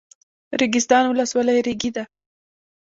ریګستان ولسوالۍ ریګي ده؟